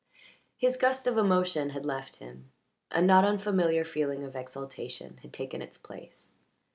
His gust of emotion had left him; a not unfamiliar feeling of exaltation had taken its place.